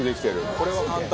これは簡単。